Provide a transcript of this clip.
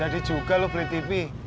jadi juga lo beli tv